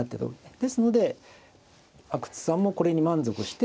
ですので阿久津さんもこれに満足して。